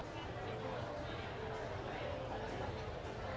ขอบคุณค่ะ